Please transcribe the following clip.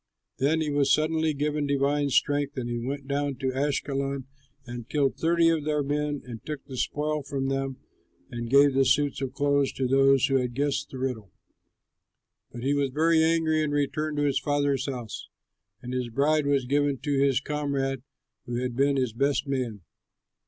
Then he was suddenly given divine strength, and he went down to Ashkelon and killed thirty of their men and took the spoil from them and gave the suits of clothes to those who had guessed the riddle. But he was very angry and returned to his father's house. And his bride was given to his comrade who had been his best man.